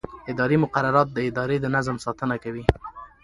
اداري مقررات د ادارې د نظم ساتنه کوي.